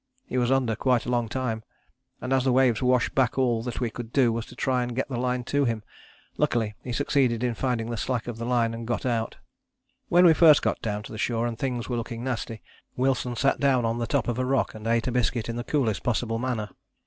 He was under quite a long time, and as the waves washed back all that we could do was to try and get the line to him. Luckily he succeeded in finding the slack of the line and got out. "When we first got down to the shore and things were looking nasty, Wilson sat down on the top of a rock and ate a biscuit in the coolest possible manner.